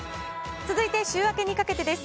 続いて週明けにかけてです。